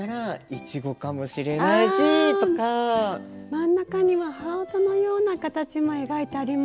真ん中にはハートのような形も描いてありますけどね。